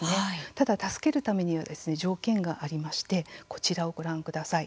ただ助けるためには条件がありましてこちらをご覧ください。